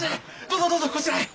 どうぞどうぞこちらへ。